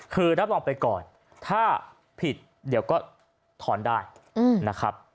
คือรับรองไปก่อนถ้าผิดเดี๋ยวก็ถอนได้นะครับ